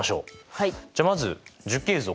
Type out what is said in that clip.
はい。